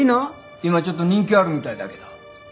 今ちょっと人気あるみたいだけど。